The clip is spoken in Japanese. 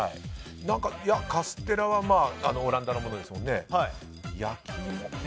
カステラはオランダのものですもんね。